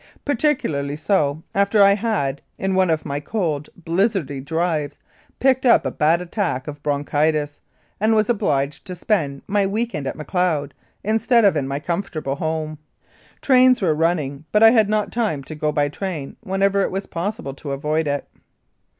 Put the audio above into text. Particularly so after I had, in one of my cold, blizzardy drives, picked up a bad attack of bronchitis, and was obliged to spend my week end at Macleod instead of in my comfortable home. Trains were running, but I had not time to go by train when ever it was possible to avoid it.